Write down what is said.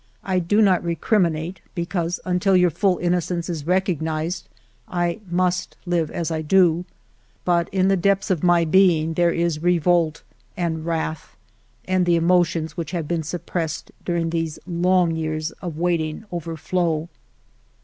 I do not recriminate, be cause, until your full innocence is recognized, I must live as I do ; but in the depths of my being there is revolt and wrath, and the emotions which have been suppressed during these long years of waiting overflow."